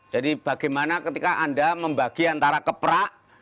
jadi bagaimana ketika anda membagi antara keperak